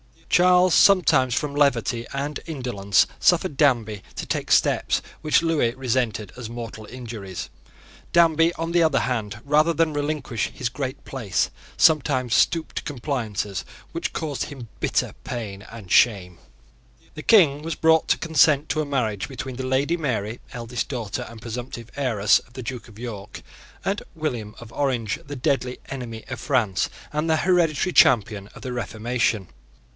Charles sometimes, from levity and indolence, suffered Danby to take steps which Lewis resented as mortal injuries. Danby, on the other hand, rather than relinquish his great place, sometimes stooped to compliances which caused him bitter pain and shame. The King was brought to consent to a marriage between the Lady Mary, eldest daughter and presumptive heiress of the Duke of York and William of Orange, the deadly enemy of France and the hereditary champion of the Reformation.